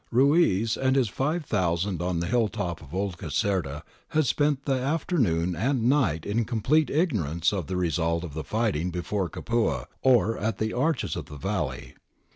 Ruiz and his five thousand on the hill top of Old Caserta had spent the afternoon and night in complete ignorance of the re sult of the fighting before Capua or at the Arches of the Valley.